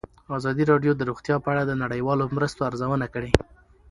ازادي راډیو د روغتیا په اړه د نړیوالو مرستو ارزونه کړې.